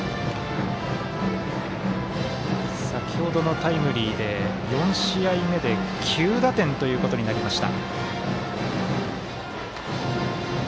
先ほどのタイムリーで４試合目で９打点となりました。